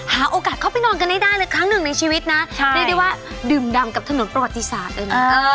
โอกาสเข้าไปนอนกันให้ได้เลยครั้งหนึ่งในชีวิตนะเรียกได้ว่าดื่มดำกับถนนประวัติศาสตร์เลยนะ